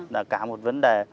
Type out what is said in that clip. là cả một vấn đề